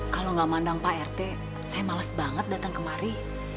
kalau gak mandang pak rt saya malas banget datang kemari